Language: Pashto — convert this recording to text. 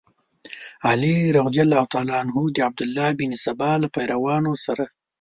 علي رض د عبدالله بن سبا له پیروانو سره.